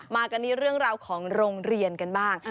มากันที่เรื่องราวของโรงเรียนกันบ้าง